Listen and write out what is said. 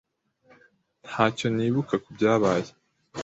Ntacyo nibuka kubyabaye.